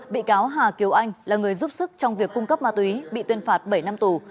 bị cáo hà kiều anh là người giúp sức trong việc cung cấp ma túy bị tuyên phạt bảy năm tù